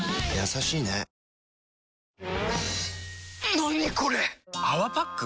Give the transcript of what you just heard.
何これ⁉「泡パック」？